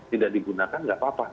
tidak digunakan nggak apa apa